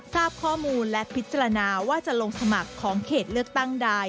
ทราบข้อมูลและพิจารณาว่าจะลงสมัครของเขตเลือกตั้งใด